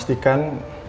saya akan memastikan